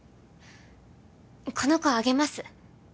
この子あげます